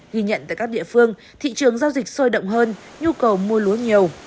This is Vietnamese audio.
ghi nhận tại các địa phương thị trường giao dịch sôi động hơn nhu cầu mua lúa nhiều